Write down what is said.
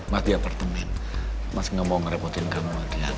maka di apartemen mas gak mau ngerepotin kamu sama diana